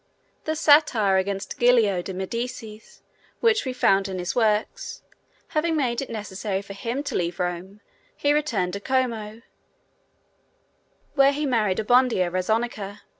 The satire against Giulio de Medicis, which we find in his works, having made it necessary for him to leave Rome, he returned to Como, where he married Abondia Rezzonica.